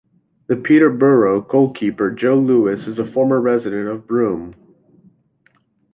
The Peterborough goalkeeper Joe Lewis is a former resident of Broome.